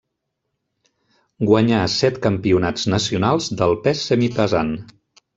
Guanyà set campionats nacionals del pes semipesant.